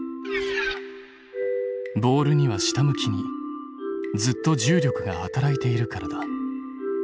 ボールには下向きにずっと重力が働いているからだ。